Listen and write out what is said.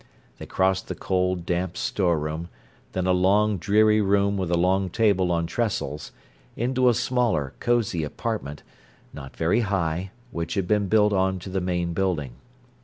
They crossed the cold, damp storeroom, then a long, dreary room with a long table on trestles, into a smaller, cosy apartment, not very high, which had been built on to the main building.